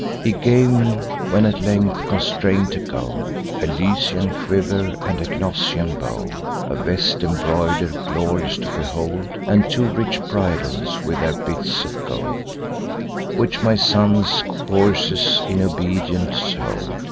He gave me, when at length constrain'd to go, A Lycian quiver and a Gnossian bow, A vest embroider'd, glorious to behold, And two rich bridles, with their bits of gold, Which my son's coursers in obedience hold.